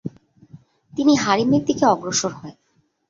তিনি হারিমের দিকে অগ্রসর হয়।